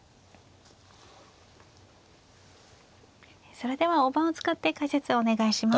それでは大盤を使って解説をお願いします。